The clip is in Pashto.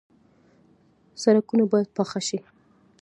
سړکونه باید پاخه شي